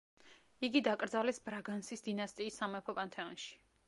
იგი დაკრძალეს ბრაგანსის დინასტიის სამეფო პანთეონში.